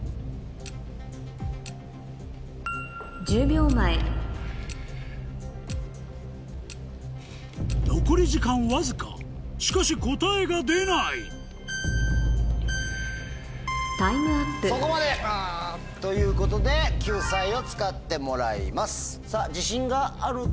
１０秒前残り時間わずかしかし答えが出ないそこまで！ということで救済を使ってもらいます。